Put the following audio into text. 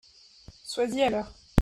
Sois-y à l'heure !